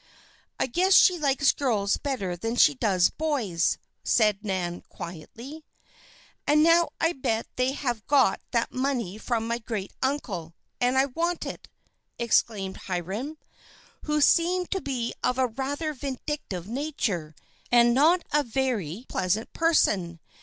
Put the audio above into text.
"I guess she likes girls better than she does boys," said Nan, quietly. "And now I bet they have got that money from my great uncle, and I want it!" exclaimed Hiram, who seemed to be of a rather vindictive nature, and not a very pleasant person.